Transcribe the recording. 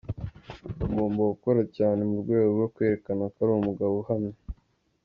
Ngo agomba gukora cyane mu rwego rwo kwerekana ko ari umugabo uhamye.